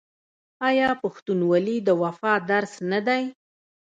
آیا پښتونولي د وفا درس نه دی؟